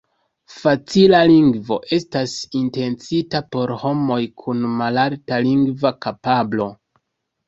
Facila Lingvo estas intencita por homoj kun malalta lingva kapablo.